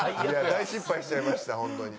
大失敗しちゃいました本当に。